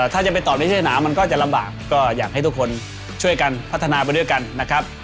ถ้าจะไปตอบในเทศนามันก็จะลำบากก็อยากให้ทุกคนช่วยกันพัฒนาไปด้วยกันนะครับ